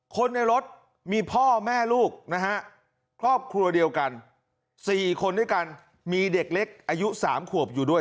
คนในรถมีพ่อแม่ลูกนะฮะครอบครัวเดียวกัน๔คนด้วยกันมีเด็กเล็กอายุ๓ขวบอยู่ด้วย